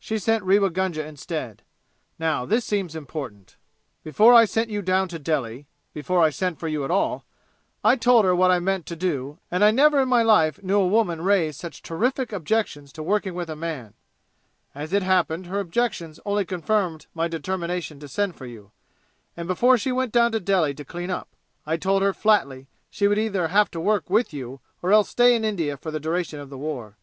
She sent Rewa Gunga instead. Now, this seems important: "Before I sent you down to Delhi before I sent for you at all I told her what I meant to do, and I never in my life knew a woman raise such terrific objections to working with a man. As it happened her objections only confirmed my determination to send for you, and before she went down to Delhi to clean up I told her flatly she would either have to work with you or else stay in India for the duration of the war."